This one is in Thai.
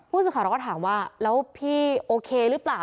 ผู้สิทธิ์ข่าวก็ถามว่าแล้วพี่โอเคหรือเปล่า